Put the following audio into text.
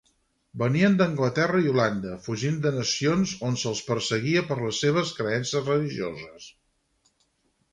Venien d'Anglaterra i Holanda, fugint de nacions on se'ls perseguia per les seves creences religioses.